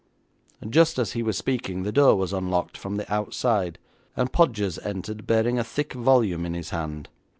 Just as he was speaking the door was unlocked from the outside, and Podgers entered, bearing a thick volume in his hand.